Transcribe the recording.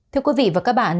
thưa quý vị và các bạn